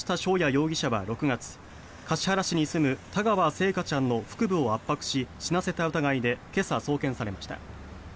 容疑者は６月橿原市に住む田川星華ちゃんの腹部を圧迫し死なせた疑いで今朝、送検されました。